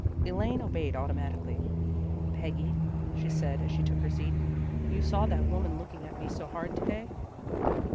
Elaine obeyed automatically. " Peggy," she said as she took her seat, " you saw that woman looking at me so hard to day?